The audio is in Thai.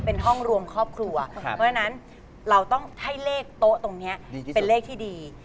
เป็นห้องรวมครอบครัวเพราะฉะนั้นเราต้องให้เลขโต๊ะตรงนี้เป็นเลขที่ดี